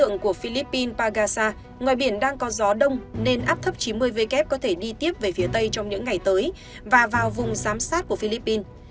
ngoài biển đang có gió đông nên áp thấp chín mươi w có thể đi tiếp về phía tây trong những ngày tới và vào vùng giám sát của philippines